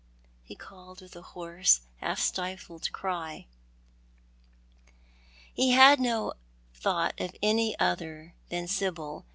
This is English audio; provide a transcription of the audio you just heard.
" he called, with a hoarse, half stifled cry. He had no thought of any other than Sibyl.